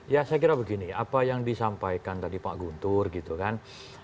ya saya kira begini apa yang disampaikan tadi pak guntur gitu kan